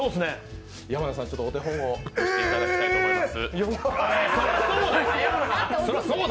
山名さん、ちょっとお手本を見せていただけたらと思います。